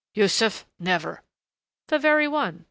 "Yussuf never!" "The very one.